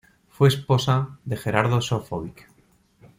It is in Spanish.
Fue esposa de Gerardo Sofovich.